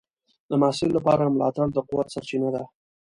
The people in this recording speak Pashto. د محصل لپاره ملاتړ د قوت سرچینه ده.